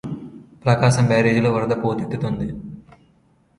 ప్రకాశం బ్యారేజిలోకి వరద పోటెత్తుతోంది